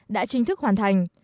đã chính thức hoàn thành